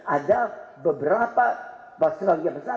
ada beberapa masalah yang besar